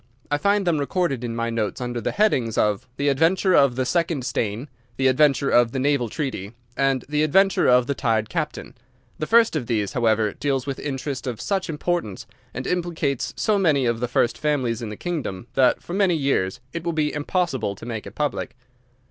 I find them recorded in my notes under the headings of "The Adventure of the Second Stain," "The Adventure of the Naval Treaty," and "The Adventure of the Tired Captain." The first of these, however, deals with interest of such importance and implicates so many of the first families in the kingdom that for many years it will be impossible to make it public.